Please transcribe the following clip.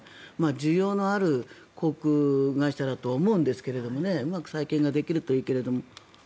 需要のある航空会社だと思うんですけどうまく再建ができるといいけれども。